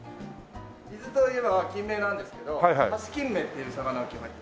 伊豆といえばキンメなんですけどハシキンメっていう魚が今日入ってて。